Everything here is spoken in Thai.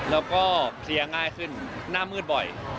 แล้วก็เพลียร์ง่ายขึ้นหน้ามืดบ่อย